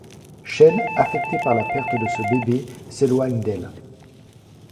Sean affecté par la perte de ce bébé, s'éloigne d'elle.